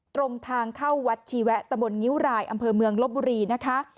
ตรงทางเข้าวัดชีแวะตะบนงิ้วรายอำเภอเมืองลบบุรีนะคะ